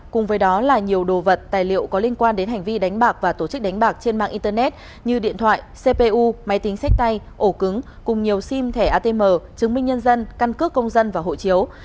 cùng với đó là nhiều đồ vật tài liệu có liên quan đến hành vi đánh bạc và tổ chức đánh bạc trên mạng internet như điện thoại cpu máy tính sách tay ổ cứng cùng nhiều sim thẻ atm chứng minh nhân dân căn cước công dân và hộ chiếu